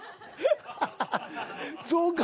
そうか。